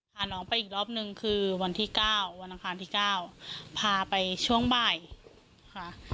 พาน้องไปอีกรอบนึงคือวันที่เก้าวันอังคารที่เก้าพาไปช่วงบ่ายค่ะ